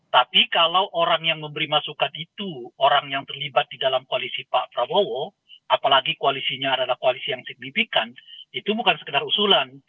tapi kalau orang yang memberi masukan itu orang yang terlibat di dalam koalisi pak prabowo apalagi koalisinya adalah koalisi yang signifikan itu bukan sekedar usulan